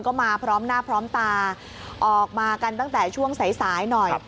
ก็มาพร้อมหน้าพร้อมตาออกมากันตั้งแต่ช่วงสายสายหน่อย